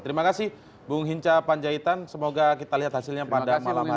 terima kasih bung hinca panjaitan semoga kita lihat hasilnya pada malam hari ini